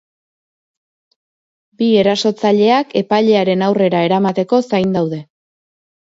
Bi erasotzaileak epailearen aurrera eramateko zain daude.